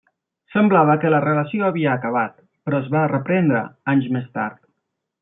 Semblava que la relació havia acabat, però es va reprendre anys més tard.